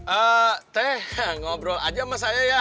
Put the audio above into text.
eh teh ngobrol aja sama saya ya